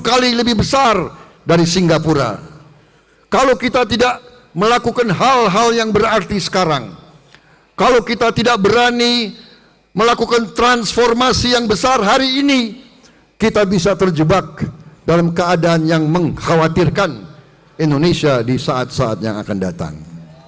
kalau kita tidak melakukan hal hal yang berarti sekarang kalau kita tidak berani melakukan transformasi yang besar hari ini kita bisa terjebak dalam keadaan yang mengkhawatirkan indonesia di saat saat yang akan datang